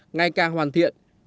ngày càng hoàn thiện